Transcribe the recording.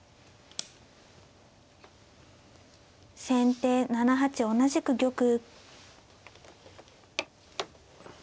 先手７八同じく玉。